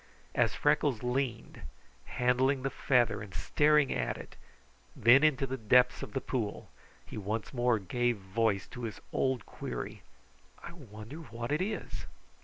As Freckles leaned, handling the feather and staring at it, then into the depths of the pool, he once more gave voice to his old query: "I wonder what it is!"